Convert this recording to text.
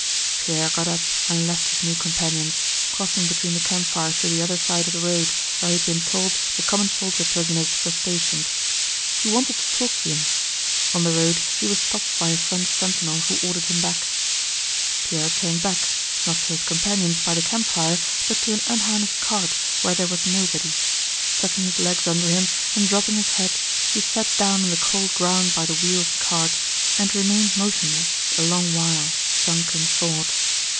Pierre got up and left his new companions, crossing between the campfires to the other side of the road where he had been told the common soldier prisoners were stationed. He wanted to talk to them. On the road he was stopped by a French sentinel who ordered him back. Pierre turned back, not to his companions by the campfire, but to an unharnessed cart where there was nobody. Tucking his legs under him and dropping his head he sat down on the cold ground by the wheel of the cart and remained motionless a long while sunk in thought.